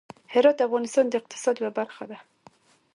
هرات د افغانستان د اقتصاد یوه برخه ده.